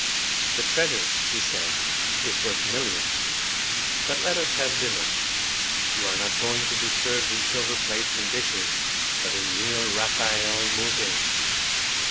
"The Treasure," he said, "is worth millions; but let us have dinner. You are not going to be served in silver plates and dishes, but in real Raphael mosaic."